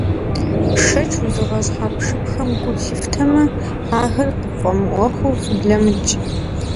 Шэч уэзыгъэщӀ хьэпшыпхэм гу лъыфтэмэ, ахэр къыффӀэмыӀуэхуу фыблэмыкӀ.